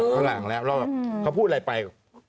พอหลังแล้วแล้วเขาพูดอะไรไป